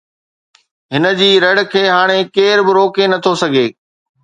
هن جي رڙ کي هاڻي ڪير به روڪي نٿو سگهي